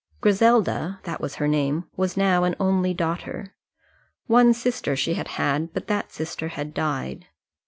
Griselda that was her name was now an only daughter. One sister she had had, but that sister had died.